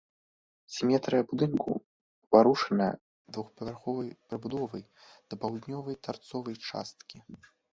Сіметрыя будынку парушаная двухпавярховай прыбудовай да паўднёвай тарцовай часткі.